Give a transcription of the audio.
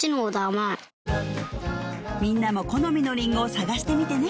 みんなも好みのリンゴを探してみてね